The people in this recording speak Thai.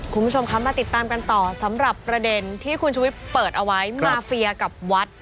คุณผู้ชมคะมาติดตามกันต่อสำหรับประเด็นที่คุณชุวิตเปิดเอาไว้มาเฟียกับวัด